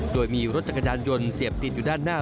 โดยมีรถจักรยานยนต์เสียบติดอยู่ด้านหน้า